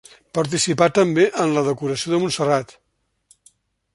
Participà també en la decoració de Montserrat.